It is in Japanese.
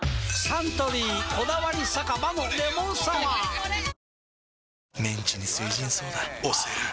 サントリー「こだわり酒場のレモンサワー」推せる！！